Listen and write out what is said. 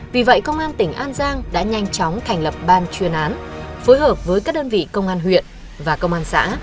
vì vậy công an tỉnh an giang đã nhanh chóng thành lập ban chuyên án phối hợp với các đơn vị công an huyện và công an xã